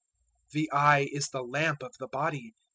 006:022 "The eye is the lamp of the body.